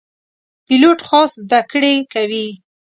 پیلوټ خاص زده کړې کوي.